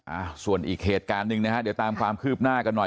อ่าส่วนอีกเหตุการณ์หนึ่งนะฮะเดี๋ยวตามความคืบหน้ากันหน่อย